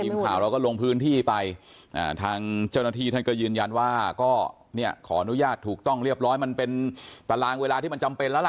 ทีมข่าวเราก็ลงพื้นที่ไปทางเจ้าหน้าที่ท่านก็ยืนยันว่าก็เนี่ยขออนุญาตถูกต้องเรียบร้อยมันเป็นตารางเวลาที่มันจำเป็นแล้วล่ะ